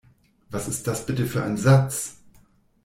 Was ist das bitte für ein Satz?